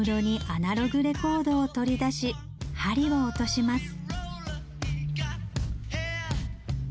アナログレコードを取り出し針を落とします